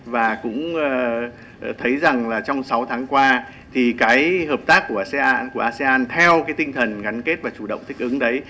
và cũng thấy rằng là trong sáu tháng qua thì cái hợp tác của asean theo cái tinh thần gắn kết và chủ động thích ứng đấy